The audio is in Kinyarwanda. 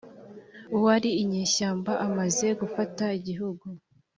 uwari inyeshyamba amaze gufata igihugu,